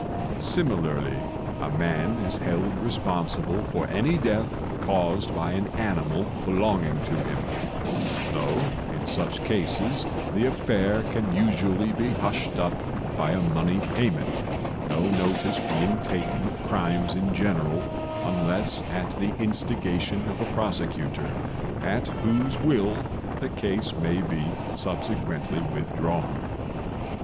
Similarly, a man is held responsible for any death caused by an animal belonging to him; though in such cases the affair can usually be hushed up by a money payment, no notice being taken of crimes in general unless at the instigation of a prosecutor, at whose will the case may be subsequently withdrawn.